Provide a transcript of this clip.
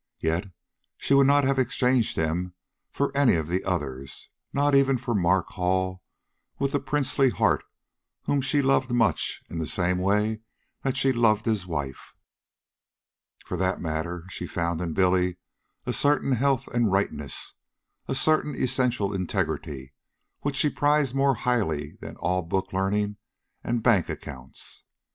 Yet she would not have exchanged him for any of the others, not even for Mark Hall with the princely heart whom she loved much in the same way that she loved his wife. For that matter, she found in Billy a certain health and rightness, a certain essential integrity, which she prized more highly than all book learning and bank accounts.